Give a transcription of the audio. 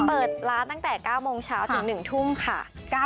เปิดร้านตั้งแต่๙โมงเช้าถึง๑ทุ่มค่ะ